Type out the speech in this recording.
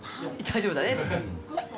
「大丈夫だね」！